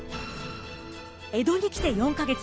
江戸に来て４か月。